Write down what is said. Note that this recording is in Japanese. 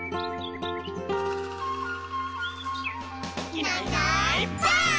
「いないいないばあっ！」